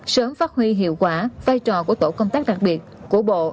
sớm phát huy hiệu quả vai trò của tổ công tác đặc biệt của bộ